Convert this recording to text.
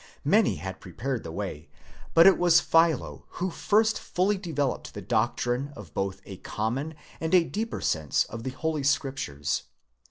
Many had prepared the way, but it was Philo who first fully developed the doctrine of both a common and a deeper sense of the Holy Scriptures.